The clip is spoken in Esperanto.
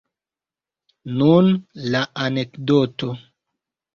Nun la anekdoto.